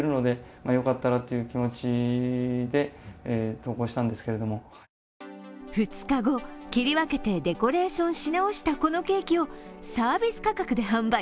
そこで２日後、切り分けてデコレーションし直した、このケーキをサービス価格で販売。